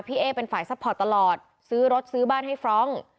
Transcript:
เอ๊เป็นฝ่ายซัพพอร์ตตลอดซื้อรถซื้อบ้านให้ฟรองก์